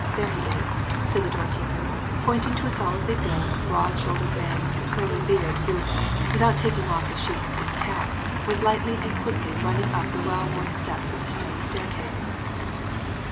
That is he," said the doorkeeper, pointing to a strongly built, broad shouldered man with a curly beard, who, without taking off his sheepskin cap, was running lightly and rapidly up the worn steps of the stone staircase.